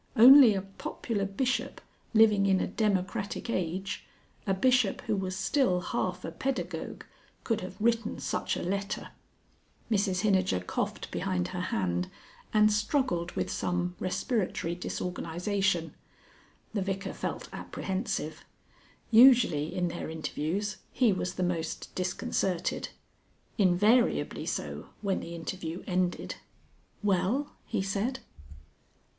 Only a popular bishop living in a democratic age, a bishop who was still half a pedagogue, could have written such a letter. Mrs Hinijer coughed behind her hand and struggled with some respiratory disorganisation. The Vicar felt apprehensive. Usually in their interviews he was the most disconcerted. Invariably so when the interview ended. "Well?" he said.